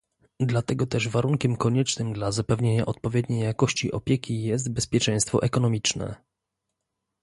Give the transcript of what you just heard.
Dlatego też warunkiem koniecznym dla zapewnienia odpowiedniej jakości opieki jest bezpieczeństwo ekonomiczne